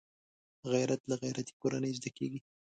غیرت له غیرتي کورنۍ زده کېږي